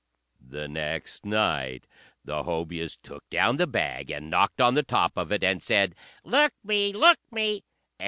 The next night the Hobyahs took down the bag and knocked on the top of it, and said "Look me! look me!"